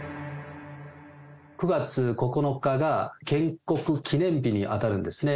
９月９日が建国記念日に当たるんですね。